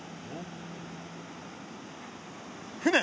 船？